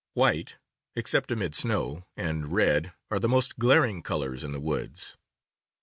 White (except amid snow) and red are the most glaring colors in the woods.